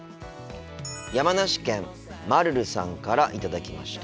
山梨県まるるさんから頂きました。